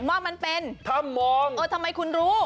ว่ามันเป็นถ้ามองเออทำไมคุณรู้